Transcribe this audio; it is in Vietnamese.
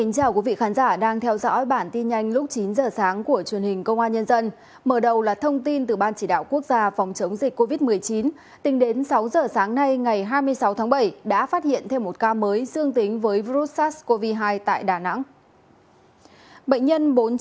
các bạn hãy đăng ký kênh để ủng hộ kênh của chúng mình nhé